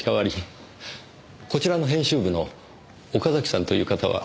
こちらの編集部の岡崎さんという方は？